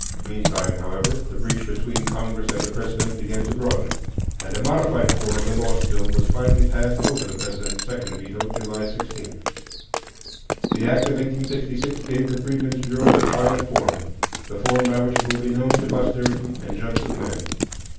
Meantime, however, the breach between Congress and the President began to broaden, and a modified form of the lost bill was finally passed over the President's second veto, July 16. The act of 1866 gave the Freedmen's Bureau its final form,—the form by which it will be known to posterity and judged of men.